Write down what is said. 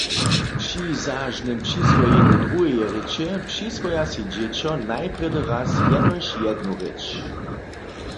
Při zažnym přiswojenju druheje rěče přiswoja sej dźěćo najprjedy raz jenož jednu rěč.